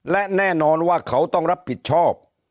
และแน่นอนว่าเขาต้องรับผิดชอบ